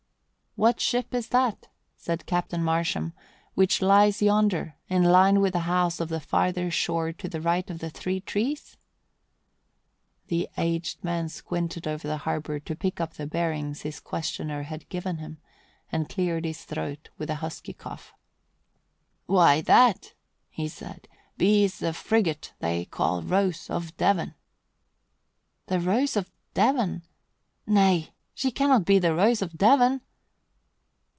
"What ship is that," said Captain Marsham, "which lies yonder, in line with the house on the farther shore to the right of the three trees?" The aged man squinted over the harbour to pick up the bearings his questioner had given him and cleared his throat with a husky cough. "Why, that," he said, "beës the frigate they call Rose of Devon." "The Rose of Devon nay, she cannot be the Rose of Devon!"